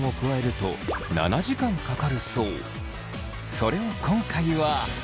それを今回は。